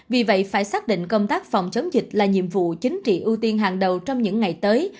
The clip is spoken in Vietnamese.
vì vậy phải xác định công tác phòng chống dịch là nhiệm vụ chính trị ưu tiên hàng đầu trong những ngày tới